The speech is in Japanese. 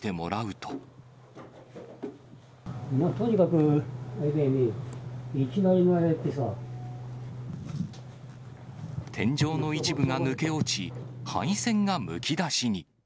とにかくあれだよね、いきな天井の一部が抜け落ち、配線がむき出しに。